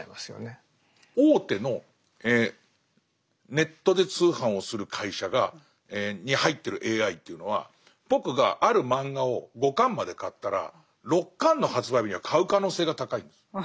大手のネットで通販をする会社に入ってるＡＩというのは僕がある漫画を５巻まで買ったら６巻の発売日には買う可能性が高いんです。